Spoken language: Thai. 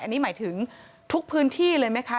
อันนี้หมายถึงทุกพื้นที่เลยไหมคะ